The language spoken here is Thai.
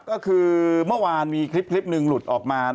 เมื่อกมีคลิปก็เลยหลุดออกมา